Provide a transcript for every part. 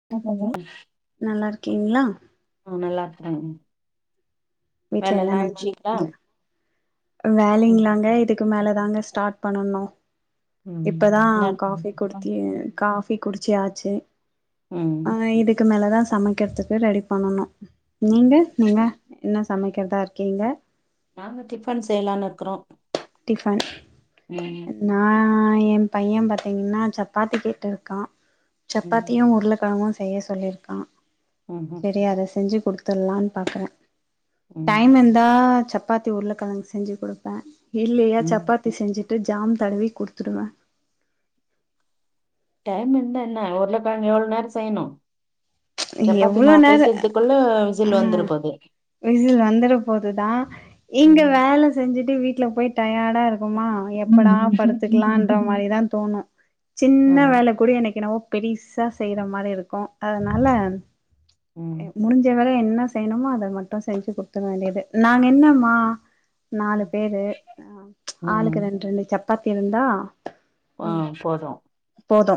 [inaudible] நல்லாருக்கீங்ளா ஆ நல்லாருக்காறங் வீட்ல வேலல்லா ஆய்டுச்சுங்ளா வேலிங்களாங்க இதுக்கு மேல தாங்க ஸ்டார்ட் பண்ணணு ம் இப்பதா என்ன காபி குடுத்தி காபி குடிச்சியாச்சு ம் நா இதுக்கு மேல தா சமைக்கிறதுக்கு ரெடி பண்ணனு நீங்க நீங்க என்ன சமைக்கிறதா இருக்கீங்க நாங்க டிஃபன் செய்யலான்னு இருக்குறோ டிஃபன் ம் நா என் பையன் பாத்தீங்கன்னா சப்பாத்தி கேட்டு இருக்கா ம் சப்பாத்தியு உருளைக்கெழங்கும் செய்ய சொல்லிருக்கா ம்ஹும் சரி அத செஞ்சு குடுக் திலான் பாக்குற டைம் ம் இருந்தா சப்பாத்தி உருளக்கிழங்கு செஞ்சு குடுப்ப இல்லையா ம் சப்பாத்தி செஞ்சுட்டு ஜாம் தடவி குடுத்துடுவ டைம் இருந்தா என்ன உருள க்கழங்கு எவ்ளோ நேரம் செய்யணு சப்பாத்தி எவ்ளோ மாவு நேர பிசையறதுக்குள்ள ஆ விசில் வந்துர போது விசில் வந்துர போதுதா இங்க ம் வேல செஞ்சுட்டு வீட்ல போய் டயர்டா இருக் குமா எப்படா படுத்துக்கலான்ற மாரி தா தோணும் ஆ சின்ன வேல கூட எனக்கு என்னமோ பெருசா செய்யற மாரி இருக்கும் அதனால உம் முடிஞ்ச வேல என்ன செய்ணுமோ அத மட்டு செஞ்சு குடுத்துட வேண்டியது நாங்க என்னம்மா நாலு ம் பேரு ம் ஆளுக்கு ரெண்டு ரெண்டு சப்பாத்தி இருந்தா ஆ ம் போதும் போது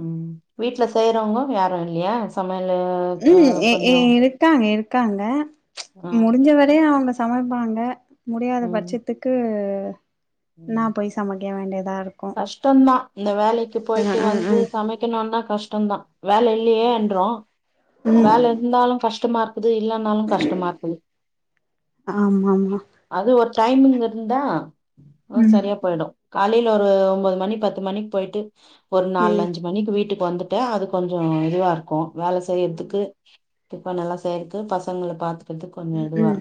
உம் வீட்ல செய்றவுங்க யாரு இல்லையா சமையலு ஆ உம் கொஞ்சோ இருக்காங்க இருக்காங்க ஆ முடிஞ்சவரய அவுங்க சமைப்பாங்க முடியாத ம் பட்சத்துக்கு ம் நா போய் சமைக்க வேண்டியதா இருக்கு கஷ்டந்தா இந்த வேலைக்கு போய்ட்டு வந்து சமைக்கணுன்னா கஷ்டந்தா வேல இல்லையே என்றோ ம் ம் ம் வேல இருந்தாலு கஷ்டமா இருக்குது இல்லன்னாலு கஷ்டமா இருக்குது ஆமா ஆமா அது ஒரு டைமிங் இருந்தா ம் சரியா போயிடும் காலையில் ஒரு ஒன்பது மணி பத்து மணிக்கு போயிட்டு ஒரு நாலு ம் அஞ்சு மணிக்கு வீட்டுக்கு வந்துட்டா அது கொஞ்சோ இதுவா இருக்கும் வேல செய்யறதுக்கு ஆமா திப்பா நல்லா செய்றது பசங்கள பாத்து உ உம்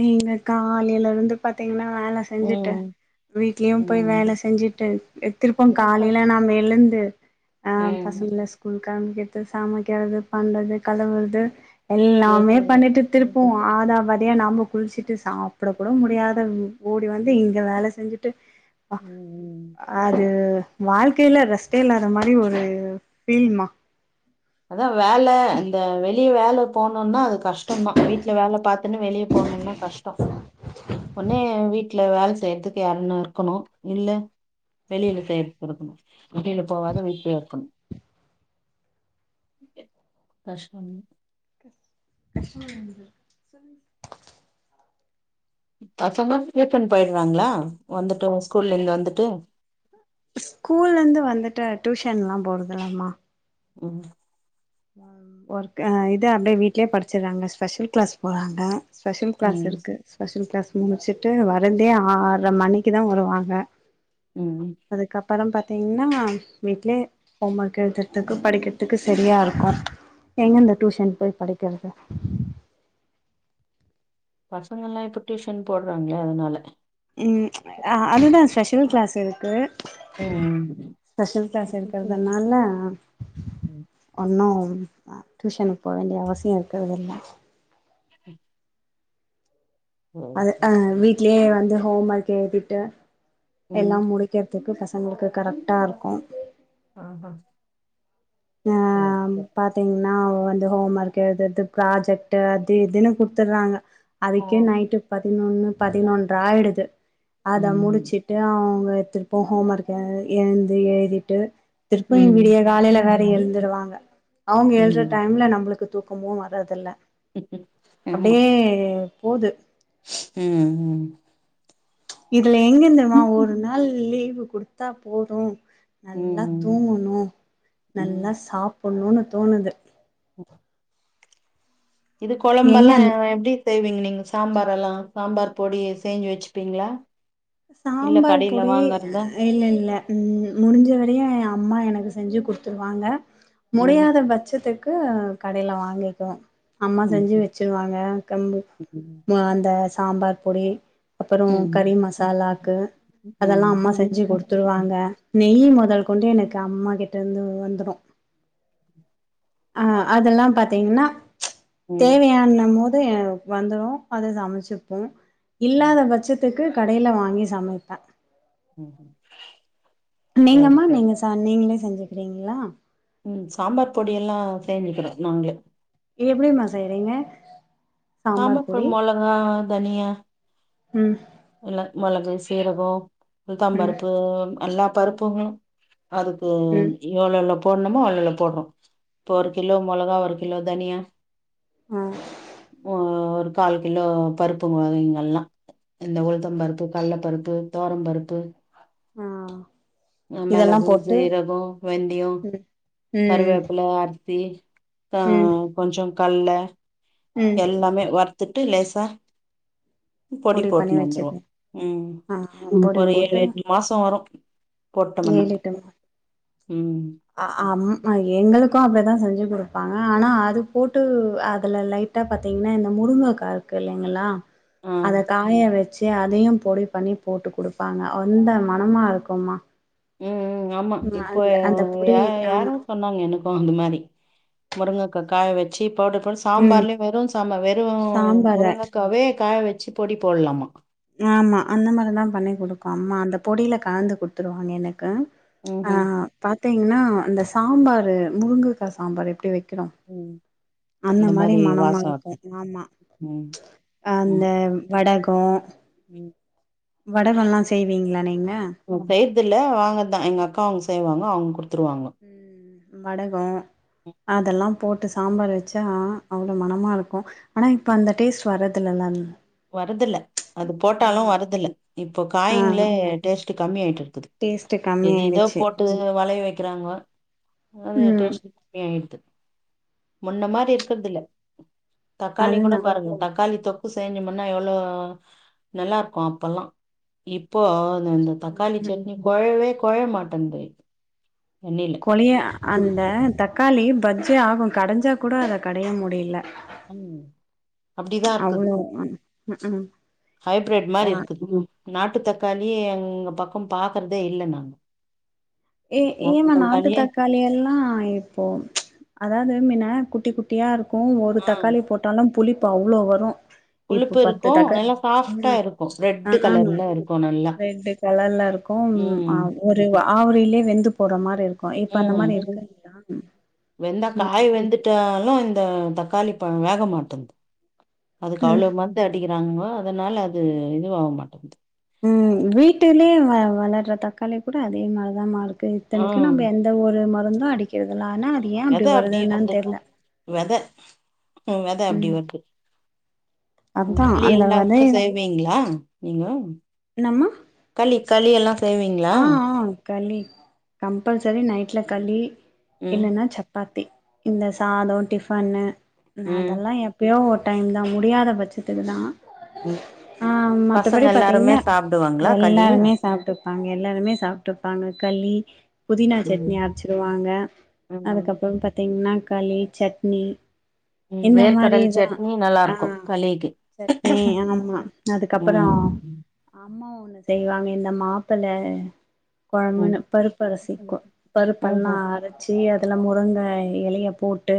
எங்க காலையில இருந்து பாத்தீங்கன்னா வேல செஞ்சுட்டு ம் வீட்லயு போய் வேல ம் செஞ்சுட்டு திருப்ப அதா காலையில கஷ்டோ நாம எழுந்து அ ம் பசங்கள ஸ்கூலுக்கு கிளம்பிறது சமைக்குறது பண்றது கழுவுறது எல்லாமே பண்ணிட்டு திருப்பம் ஆதபதியா நாம குளிச்சிட்டு சாப்புட்டு கூட முடியாத ஓடி வந்து இங்க வேல செஞ்சுட்டு உம் உம் அது வாழ்க்கையில ரெஸ்டெ இல்லாத மாதிரி ஒரு ஃபீல்மா அதா வேல இந்த வெளி வெளிய வேல போணுன்னா அது கஷ்டந்தா வீட்டுல வேலை பாத்துன்னு வெளிய போணுன்னா கஷ்டம் ஒன்னே வீட்ல வேல செய்யறதுக்கு யாருன்னு இருக்கணு இல்ல வெளியில செய்றதுக்கு இருக்கணு வெளியில போவாத வீட்லயே இருக்கன்னு கஷ்டந்தா கஷ்டம் பசங்க டியூஷன் போயிடுறாங்களா வந்துட்டு ஸ்கூல்ல இருந்து வந்துட்டு ஸ்கூல்லருந்து வந்துட்டு டியூஷன்லா போறதுல்லம்மா உம் ஒர்க் இது அப்டியே வீட்லயே படிச்சுறாங்க ஸ்பெஷல் கிளாஸ் போறாங்க ஸ்பெஷல் கிளாஸ் ம் இருக்கு ஸ்பெஷல் கிளாஸ் முடிச்சுட்டு வர்றதே ஆர்ற மணிக்கு தா வருவாங்க உம் அதுக்கப்றோ பாத்திங்கன்னா வீட்லே ஹோம் ஒர்க் எழுதற்த்துக்கு படிக்கற்துக்கு சரியாரு க்கு எங்கந்து டியூஷன் போய் படிக்கற்து பசங்கள்ல்லா இப்போ டியூஷன் போட்றாங்களே அதனால ம் அது தா ஸ்பெஷல் க்ளாஸ் இருக்கு ம் ம். ஸ்பெஷல் க்ளாஸ் இருக்கறதனால்ல ஒண்ணு நா டியூஷனுக்கு போவேண்டிய அவசியோ இருக்காதுல்ல ம் அது அ வீட்லே வந்து ஹோம் ஒர்க் எழுதிட்டு எல்லா ம் முடி க்கற்துக்கு பசங்களுக்கு கரெக்டாருக்கு ஆ ஹா ஆ [unintelligible] பாத்தீங்கன்னா வந்து ஹோம் ஒர்க் எழுதற்து ப்ராஜெக்ட்டு அது இதுன்னு குட்த்தறாங்க ஆ அதுக்கே நைட்டு பதினொன்னு பதினொன்ற ஆயிடுது அத ம் முடிச்சு ட்டு அவுங்க திருப்ப ஹோம் ஒர்க் எழுந்து எழுதிட்டு திருப்பய்யு ம் விடிய காலைல வேற ம் எழுந்துருவாங்க அவுங்க எழுற ம் டைம்ல நம்ளுக்கு தூக்கமு வர்றதில்ல அப்டியே போது ம் ம் இதுல எங்கெருந்தமா ம் ஒரு ம் நாள் லீவு குடுத்தா போது நல்லா ம் தூங்கணு ம். நல்லா சாப்புட்ணுன் தோணுது இது எங்க கொழம்பல்லா அந் எப்டி செய்வீங்க நீங்க சாம்பார் எல்லா சாம்பார் பொடி செஞ்சு வச்சுப்பீங்ளா சாம்பார் பொடி இல்லெல்ல ம் முடிஞ்ச வரையு எ அம்மா எனக்கு செஞ்சு குட்த்துருவாங்க ம் முடியாத பட்சத்துக்கு கடைல வாங்கிக்குவோ அம்மா செஞ்சு ம் வச்சிருவாங்க ம் [unintelligible] ஆ அந்த சாம்பார் பொடி அப்பறோ ம் கறி மசாலாக்கு அதெல்லா ம் அம்மா செஞ்சு குடுத்துருவாங்க நெய்யி மொதல் கொண்டு எனக்கு அம்மா கிட்டருந்து வந்துடு ஆ அதெல்லா பாத்தீங்கன்னா ம் ம் தேவயானம்மோது வந்துரு அத சமச்சிப்போ ம். இல்லாத பட்சத்துக்கு கடைல வாங்கி சமைப்பே ம் ஹும் நீங்க மா நீங்க ச நீங்ளே செஞ்சுக்றீங்களா ம் சாம்பார் பொடியெல்லா செஞ்சுக்கிறோ நாங்ளே இது எப்டிமா செய்றீங்க சாம்பார் பொடி மொளகா தனியா ம் இல்ல மொளகு சீரகோ உளுத்தம் பருப்பு எல்லா பருப்புகளு அதுக்கு ம் எவ்ளோலோ போட்னுமோ அவ்ளோலோ போட்றோ இப்போ ஒரு கிலோ மொளகா ஒரு கிலோ தனியா ஆ ஆ ஒரு கால் கிலோ பருப்பு வகைங்கள்லா இந்த உளுத்தம் பருப்பு கல்ல பருப்பு தோரம் பருப்பு ஆ இதெல்லா மெளகு போட்டு சீரகோ வெந்தியோ ம் ம் கருவேப்பில அரிசி ப ம் கொஞ்சோ கல்ல ம் எல்லாமே வற்த்துட்டு லேசா பொடி பண்ணி போட்டுனு வந்துருவ வச்சிருக்கே ம் ஆ இப்ப பொடி ஒரு ஏழு போட்டு எட்டு மாசோ வரும் போட்டம்ன்னா ம் ஆ ஆம் அ எங்களுக்கு அப்டிதா செஞ்சு குடுப்பாங்க ஆனா அது போட்டு அதுல லை ட்டா பாத்தீங்கன்னா இந்த முருங்கக்கா இருக்கு இல்லைங்களா ஆ அத காய வ ச்சு அதையும் பொடி பண்ணி போட்டு குடுப்பாங்க வந்த மனமாக இருக்கும்மா ம் ம் ஆமா இப்போ அந்த அந்த பொடி யா ஆமா யாரோ சொன்னாங்க எனக்கு அந்த மாரி முருங்கக்கா காய வச்சு பௌடபோள்ஸ் ம் சாம்பார்லயு வெறு சாம்பார் வெறு சாம்பார முருகக்காவே காய வச்சு பொடி போடுலாமா ஆமா அந்த மாரிதா பண்ணி குடுக்கு அம்மா அந்த பொடில கலந்து குடுத்துருவாங்க எனக்கு ம் ஆ ம் பாத்தீங்கன்னா அந்த சாம்பாரு முருங்கக்கா சாம்பார் எப்டி வைக்கரோ ம் அந்த மாரி மனமா இருக்கு ஆமா ம் அந்த ம் வடகோ ம் வடகோல்லா செய்வீங்களா நீங்க ம் செய்றதுல்ல வாங்கதா எங்க அக்கா அவுங்க செய்வாங்க அவுங்க குடுத்துருவாங்க ம் ம் வடகோ ம். அதெல்லா போட்டு சாம்பார் வச்சா அவ்ளோ மனமா இருக்கு ஆனா இப்ப அந்த டேஸ்ட் வரதில்லல ம் வரதில்ல அது போட்டாலு வரத்தில்ல இப்போ ஆ காயங்களே டேஸ்ட்டு கம்மி ஆயிட்டு இருக்குது டேஸ்ட்டு கம்மி எது ஏதோ ஆயிடுச்சு போட்டு வளைய வைக்கிறாங்கோ அது ம் டேஸ்டு யாயிருது முன்ன மாரி இருக்கறது இல்ல தக்காளி கூட அதுதா பாருங்க தக்காளி தொக்கு சேஞ்சோம் னா எவ்ளோ நல்லா இருக்கு அப்பல்லா இப்போ இந்தந்த தக்காளி சட்னி கொழைவே கொழைம மாட்டேன்து எண்ணெயில கொழைய அந்த தக்காளி பஜ்ஜே ஆகு கடைஞ்சா கூட அத கடைய முடியல ம் அப்டிதா இருக்குது அவ்ளோ ம் ம் ஹைப்ரெட் மாரி ஆ இருக்குது ம் நாட்டு தக்காளி எங்க பக்கம் பாக்குறதே இல்ல நானு ஏ ஏமா நாட்டு தக்காளி எல்லா இப்போ அதாவது மின்ன குட்டி குட் டியா இருக்கு ஒரு ஆ தக்காளி போட்டாலும் புளிப்பு அவ்ளோ வரு இப்ப புளிப்பு பத்து இருக்கு தக்க நல்லா சாஃப்டா ம் இருக்கு அ ரெட் அ கலர்ல இருக்கு நல்லா ரெண்டு களர்ல இருக்கு ஆ ம் ஒரு ஆவரிலே வெந்து போற மாரி இருக் ம் வெந்தா ம் காய வெந்து ட்டாலும் இந்த தக்காளி பழோ வேக மாட்டேந்து அதுக்கு அவ்ளோ மரு ந்து அடிக்கிறானுங்கோ அதனால அது இதுவாவ மாட்டேன்து ம் வீட்டுலே வ வளர்ற தக்காளி கூட அதே மாரிதா மா இருக்கு ஆ இத்தனைக்கு நம்ப எந் த ஒரு மருந்து அடிக்கர்தில்ல ஆனா அது ஏ அப்டி வருதுன்னு தா தெர்ல ம் வெத அப்டி வருது அதா உப்ளி அந்த எல்லா கூட வெதைய செய் வீங்களா நீங்க என்னாம்மா களி களி எல்லா செய்வீங்களா ஆ களி கம்பல்சரி நைட்ல களி ம் இல்லன்னா சப் பாத்தி இந்த சாதோ டிஃபன்னு நா ம் அதெல்லா எ ப்பயோ ஒரு டைம் தா முடியாத பட்சத்துல தா ம் ஆ பசங்க மத்தபடி எல்லாருமே பாத்தீங்கன்னா சாப்டுவாங்களா களி எல்லாருமே சாப்ட்டு எல்லாருமே சாப்ட்டுருப்பாங்க கலி புதினா சட்னி ம் அரச்சிருவாங்க ம் அதுக்கப்ரோ பத்தீங்ன்னா கலி சட்னி ம் இந்த வேர்க்கடல் மாரிதா சட்னி நல்லா அ இருக்கு களிக்கு சட்னி ஆமா அதுக்கப்ரோ ம் அம்மா ஒண்ணு செய்வாங்க இந்த மாப்புள்ள ம் குழம்புன்னு பருப்பரசிக்கு பருப்பல்லா ம்ஹும் அரச்‌ ச்சி அதுல முருங்க எலய போட்டு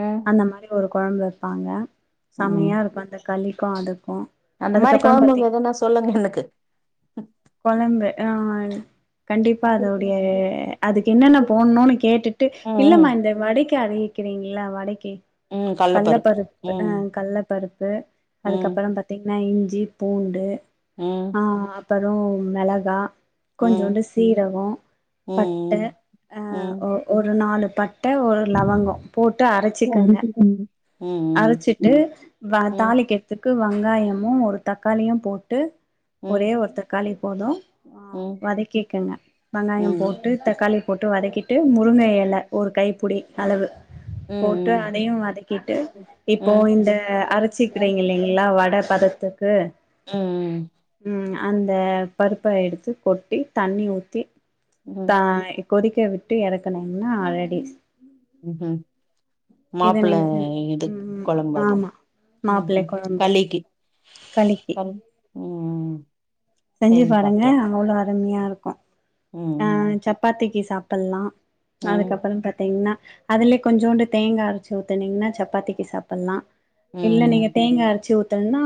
ம் அந்தமாரி ஒரு கொழம்பு வப்பாங்க ம் செமியா இருக்கு அந்த களிக்கு அதுக்கு அந்த மாரி அதுக்கப்புறம் பாத்தீ குழம்புங்க எதுன்னா சொல்லுங்க எனக்கு கொலம்பு யால் கண்டிப்பா அதோடைய அதுக்கு என்னென்ன போட்ணுனு கேட்டுட்டு ம் இல்லமா ம் இந்த வடைக்கி அரிக்கீறிங்களா வடைக்கி ம் கல்ல கல்லப்பருப்பு பருப்பு அ ம் கல்ல பருப்பு ம் அதுக்கப்புரோ பத் த்திங்னா இஞ்சி பூண்டு ம் ஆ அப்பரோ மெளகா ம் கொஞ்சோண்டு சீரகோ ம் பட்ட ம் அ ம் ஓ ஒரு நாலு பட்ட ஒரு லவங்கோ போட்டு அரைச்சிக்கங்க ம் ம் அரச்சிட்டு ம் வதாலி கெட் அதுக்கு வங்காயமு ஒரு தக்காளியு போட்டு ஒரே ம் ஒரு தக்காளி போது வ ம் வதக்கிக்கங்க வங்காயோ ம் போட்டு தக்காளி போட்டு வதக்கிட்டு முருங்க எல ஒரு கைப்புடி அளவு ம் போட்டு ம் அதையு வதக்கிட்டு ம் இப்போ ம் இந்த அரச்சிக்கிறீங்ல்லிங் எல்லா வட பதத்துக்கு ம் ம் அந்த பருப்ப எடுத்து கொட்டி தண்ணி ஊத்தி தா கொதிக்க விட்டு எறக்கனீங்னா ரெடி ம் ஹ்ம் இத மாப்புள்ள நீங்க இது ம் கொழம்பு அது ஆமா ம் ஹூ களிக்கு களிக்கு பாரு ம் செஞ்சு பாருங்க அவ்ளோ அருமையா இருக்கு அ ம் சப்பாத்திக்கு சாப்பல்லா ம் அதுக்கு அப்ரோ பா த்தீங்கா அதுல்யே கொஞ்சோண்டு தேங்கா அரைச்சு ஊத்துனீங்கன்னா சப்பாத்திக்கு சாப்பல்லா இல்ல நீங்க ம் தேங்கா அரச்சு ஊத்தணுன்னா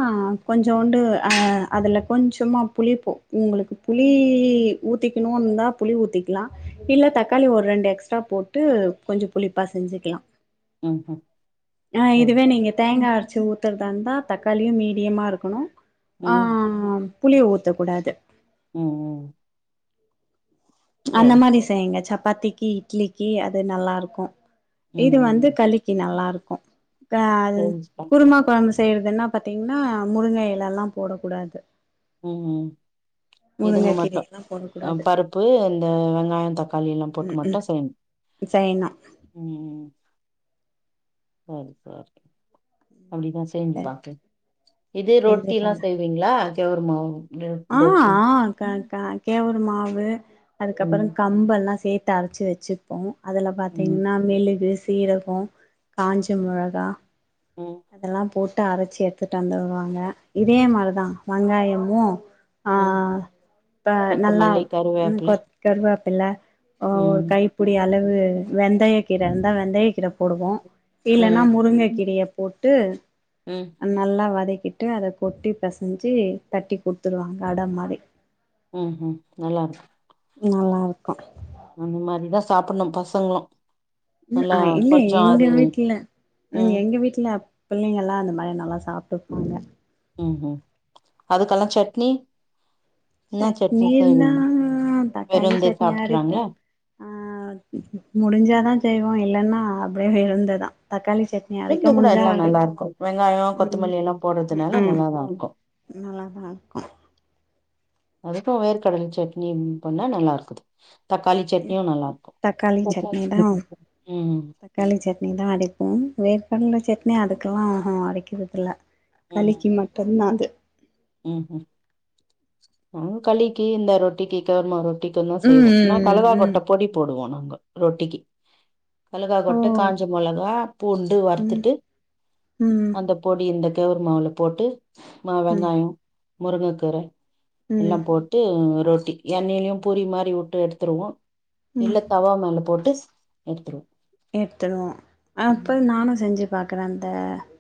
கொஞ்சோண்டு அ அதுல கொஞ்சோமா புளி போ உங்களுக்கு புளி ஊத்திக்கணுன்தா புளி ஊத்திக்லா இல்ல தக்காளி ஒரு ரெண்டு எக்ஸ் ஸ்ட்டா போட்டு கொஞ்சோ புளிப்பா செஞ்சுக்கலா- ம் ம்ஹும் அ சரி இதுவே நீங்க ம் தேங்கா அர்ச்சு ஊத்றதாருந்தா களியு மீடியமா இருக்கணு ஆ ம் புளிய ஊத்தக்குடாது ம் அந்த சரி மாரி சரி செய்ங்க சப்பாத்திக்கி இட்லிக்கி அது நல்லாருக்கு ம் இது வந்து ம் கழிக்கு நல்லாருக்கு அ செஞ்சு பாக்கலா குருமா கொழம்பு செய்றதுன்னா பாத்தீங்ன்னா முருங்க எலல்லா போடக்குடாது ம் முருங்க இதுங்க மட்டு கீரையெல்லா அ போடக்கூடாது பருப்பு இந்த வெங்காயோ தக்காளி எல்லா போட்டு மட்டு செய்ணு ச்சைணா ம் ம் சேரி சேரி அப்டித்தா செஞ்சு பாக்கே இது செஞ்சு ரொட்டில்லா பாருங்க செய்வீங் ல கேழ்வரகு மாவு இந்த ஆ ரொட்டி ஆ க க கேழ்வரகு மாவு அதுக்கப்பறோ ம் கம்பெல்லா சேத்து அரச்சு வச்சு போ அதில ம் பாத்தீங்கனா மெல்லுகு சீரகோ காஞ்ச மொளகா ம் அதெல்லா போட்டு அரச்சி எடுத்துட்டு தந்துருவாங்க இதே மாரிதா வெங்காயமு ஆ ம். இப்ப நல்ல கொத்தமல்லி ம் கருவேப்பில கொ கருவப்பில்ல ஓ ஒரு ம் கைப்புடி அளவு வெந்தய கீர இருந்தா வெந்தய கீர போடுவோ இல்லனா ம் முருங்க கீரய போட்டு ம் அ நல்லா வதக்கிட்டு அத கொட்டி பெசஞ்சு தட்டி குடுத்துருவாங்க அட மாரி ஓ ஹோ நல்லாருக்கு நல்லாருக்கு அந்த மாதிரிதா சாப்பிணு பசங்களு ம் நல்லா ஐ இல்லயே கொஞ்சோ எங்க அது வீட்ல ம் எங்க வீட்ல பிள்ளைங்களா அந்த மாரியே நல்லா சாப்டுப்பாங்க ம் ஹும் அதுக்கெல்லா சட்னி என்ன சட்னி இருந்தா செய்வீங்க தக்காளி வெறுந்தே சட்னி அரைப்போ சாப்ட்றாங்களா அ முடிஞ்சாதா செய்வோ இல்லனா அப்டியே இருந்ததா தக்காளி சட் விருந்து கூட எல்லா நல்லா இருக்கு வெங்காயோ கொத்தமல்லி எல்லா போடுறதுனால நல்லாதா இருக்கு நல்லாதாருக்கு அதுக்கு வேர்கடல சட்னி ம் பண்ணா நல்லாருக்கு தக்காளி சட்னியு நல்லாருக்கு தக்காளி சட்னி தா ம் தக்காளி சட்னி தா அரைப்போ வேர்கடல சட்னி அதுக்கெலா அரைக்கிறதுதில்ல தக்காளிக்கு மட்டுந்தா அது ம் ஹும் நாங்க களிக்கு இந்த ரொட்டிக்கு கேழ்மாவு தீக்கந்தா தா ம் செய்வோ நா ம் கழுகாக் ம் கொட்டை பொடி போடுவோ நாங்க ரொட்டிக்கு கழுகா ஓ கொட்ட காஞ்ச மொளகா பூண்டு ம் வறுத்துட்டு ம் அந்தப் பொடி இந்த கேழ்வரகு மாவுல போட்டு மா ம் ம் வெங்காயோ முருங்கக்கீர எல்லா போட்டு ரொட்டி எண்ணெலேயு பூரி மாரி வுட்டு எடுத்துருவோ ம் இல்ல தவா மேல போட்டு ஸ் எடுத்துருவோ எடுத்துடுவோ அப்போ நானு செஞ்சு பாக்குறே அந்த